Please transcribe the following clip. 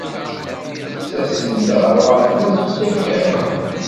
Tettasem-d ɣer uɣerbaz s usakal?